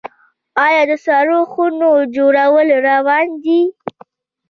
آیا د سړو خونو جوړول روان دي؟